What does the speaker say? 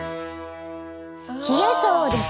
冷え症です。